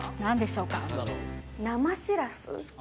生しらす。